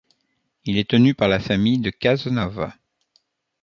Il est tenu par la famille de Cazenove.